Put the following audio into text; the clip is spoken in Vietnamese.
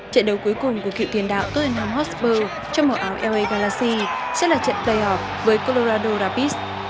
trận đấu cuối cùng của cựu tiền đạo tottenham hotspur trong mẫu áo la galaxy sẽ là trận playoff với colorado rapids